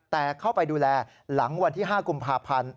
แต่เข้าไปดูแลหลังวันที่๕กุมภาพันธ์